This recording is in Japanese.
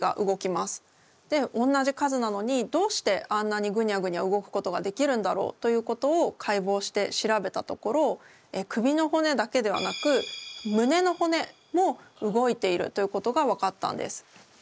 でおんなじ数なのにどうしてあんなにグニャグニャ動くことができるんだろうということを解剖して調べたところ首の骨だけではなく胸の骨も動いているということが分かったんです。